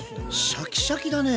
シャキシャキだね。